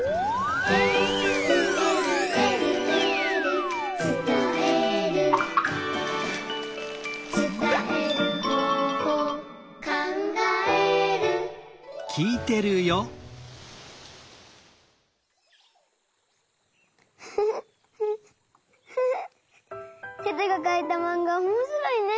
「えるえるえるえる」「つたえる」「つたえる方法」「かんがえる」テテがかいたマンガおもしろいね！